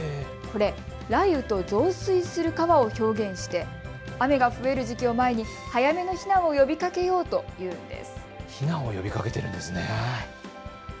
雷雨と増水する川を表現して雨が増える時期を前に早めの避難を呼びかけようというんです。